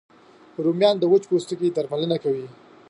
رومیان د وچ پوستکي درملنه کوي